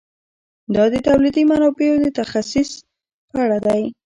دا د تولیدي منابعو د تخصیص په اړه دی.